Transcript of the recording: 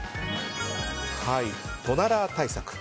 トナラー対策。